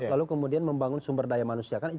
lalu kemudian membangun sumber daya manusia kan